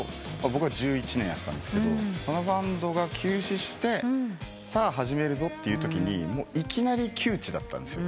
僕は１１年やってたんですけどそのバンドが休止してさあ始めるぞってときにいきなり窮地だったんですよ。